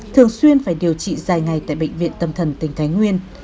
thường xuyên phải điều trị dài ngày tại bệnh viện tâm thần tỉnh thái nguyên